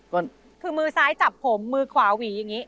ก็คือมือซ้ายจับผมมือขวาหวีอย่างนี้